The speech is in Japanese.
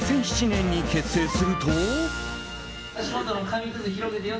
２００７年に結成すると。